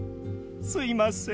すいません。